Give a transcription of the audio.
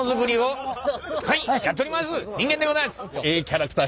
ええキャラクター。